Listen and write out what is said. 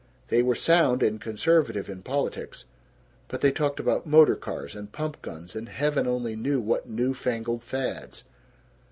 They were sound and conservative in politics, but they talked about motor cars and pump guns and heaven only knew what new fangled fads.